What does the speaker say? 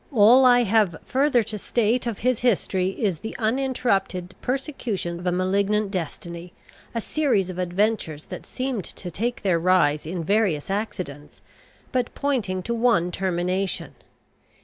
All I have further to state of his history is the uninterrupted persecution of a malignant destiny, a series of adventures that seemed to take their rise in various accidents, but pointing to one termination.